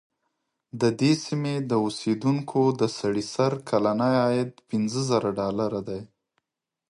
د دې سیمې د اوسېدونکو د سړي سر کلنی عاید پنځه زره ډالره دی.